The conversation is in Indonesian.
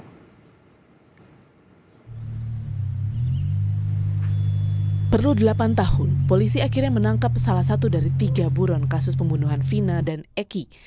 setelah perlu delapan tahun polisi akhirnya menangkap salah satu dari tiga buron kasus pembunuhan vina dan eki